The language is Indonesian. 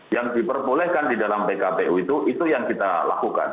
yang diperbolehkan di dalam pkpu itu itu yang kita lakukan